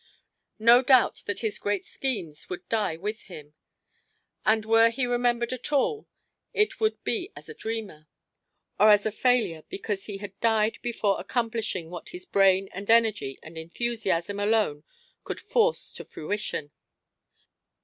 No doubt that his great schemes would die with him, and were he remembered at all it would be as a dreamer; or as a failure because he had died before accomplishing what his brain and energy and enthusiasm alone could force to fruition.